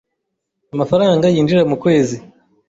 amafaranga yinjira mu kwezi